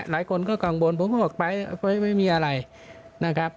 หลายคนก็กังวลไม่สอบปลายไม่มีอะไรนะครับ